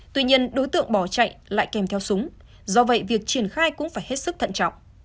tuy nhiên đối tượng bỏ chạy lại kèm theo súng do vậy việc triển khai cũng phải hết sức thận trọng